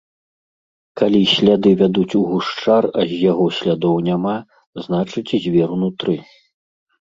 Калі сляды вядуць у гушчар, а з яго слядоў няма, значыць звер унутры.